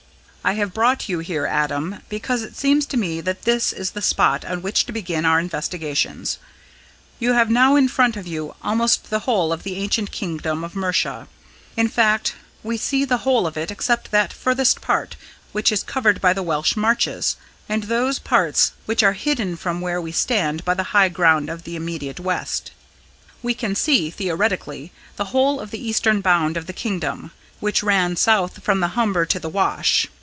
"I have brought you here, Adam, because it seems to me that this is the spot on which to begin our investigations. You have now in front of you almost the whole of the ancient kingdom of Mercia. In fact, we see the whole of it except that furthest part, which is covered by the Welsh Marches and those parts which are hidden from where we stand by the high ground of the immediate west. We can see theoretically the whole of the eastern bound of the kingdom, which ran south from the Humber to the Wash.